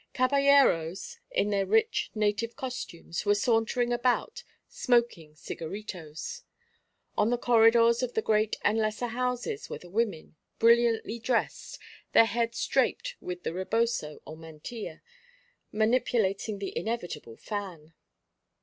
Caballeros, in their rich native costumes, were sauntering about, smoking cigaritos. On the corridors of the great and lesser houses were the women, brilliantly dressed, their heads draped with the reboso or mantilla, manipulating the inevitable fan.